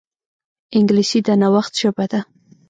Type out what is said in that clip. انګلیسي د نوښت ژبه ده